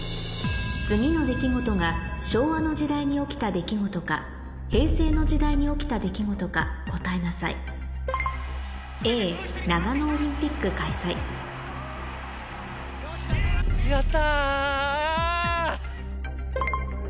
次の出来事が昭和の時代に起きた出来事か平成の時代に起きた出来事か答えなさいやった。